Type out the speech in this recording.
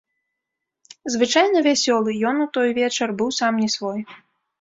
Звычайна вясёлы, ён у той вечар быў сам не свой.